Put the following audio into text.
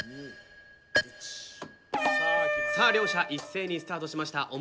さあ両者一斉にスタートしました。